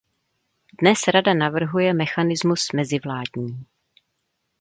Dnes Rada navrhuje mechanismus mezivládní.